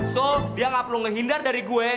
so dia gak perlu ngehindar dari gue